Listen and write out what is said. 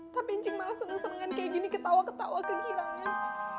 tapi cing malah seneng senengan kayak gini ketawa ketawa kegilaan